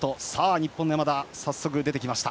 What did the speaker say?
日本の山田、早速出てきました。